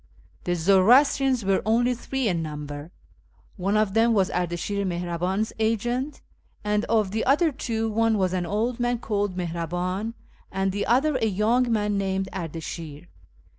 The Zoroastrians were only three in number : one of them was Ardashir Mihraban's agent, and of the other two one was an old man called JMihraban, and the other a young man named Ardashir.